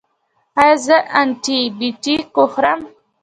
ایا زه انټي بیوټیک وخورم؟